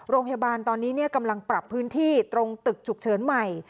โรงพยาบาลตอนนี้กำลังปรับพื้นที่ตรงตึกฉุกเฉินใหม่